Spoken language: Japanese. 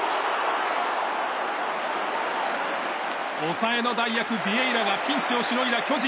抑えの代役、ビエイラがピンチをしのいだ巨人。